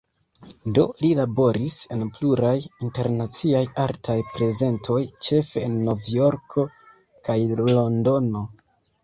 Do li laboris en pluraj internaciaj artaj prezentoj, ĉefe en Novjorko kaj Londono.